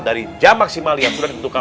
dari jam maksimal yang sudah ditentukan